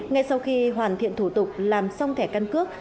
ngay sau khi hoàn thiện thủ tục làm xong thẻ căn cước